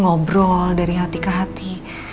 ngobrol dari hati ke hati